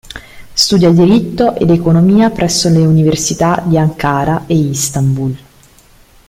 Studia diritto ed economia presso le università di Ankara e Istanbul.